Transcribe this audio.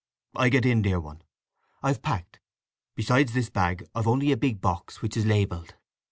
I get in, dear one! I've packed. Besides this bag I've only a big box which is labelled."